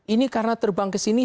ini karena terbang kesini